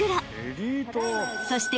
［そして］